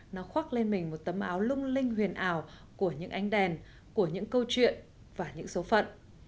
nó khoác lên mình một tấm áo lung linh huyền ảo của những ánh đèn của những câu chuyện và những số phận